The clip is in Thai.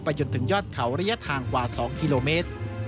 จนถึงยอดเขาระยะทางกว่า๒กิโลเมตร